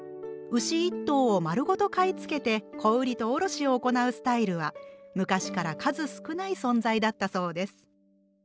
牛一頭を丸ごと買い付けて小売りと卸を行うスタイルは昔から数少ない存在だったそうです。